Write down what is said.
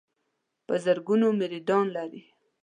په زرګونو مریدان لري.